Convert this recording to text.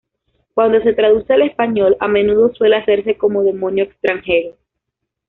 Cuando se traduce al español, a menudo suele hacerse como demonio extranjero.